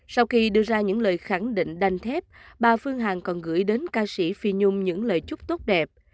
sau khi đưa ra những lời khẳng định đành thép bà phương hằng còn gửi đến ca sĩ phi nhung những lời chúc tốt đẹp